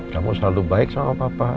kamu selalu baik sama papa